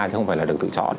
chứ không phải là được tự chọn